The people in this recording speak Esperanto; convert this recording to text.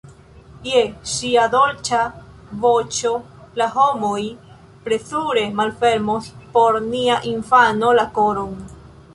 Je ŝia dolĉa voĉo la homoj plezure malfermos por nia infano la koron.